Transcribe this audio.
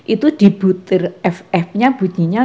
itu di butir ff nya bunyinya